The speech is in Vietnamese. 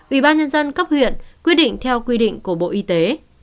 ủy ban nhân dân cấp huyện quyết định theo quy định của bộ y tế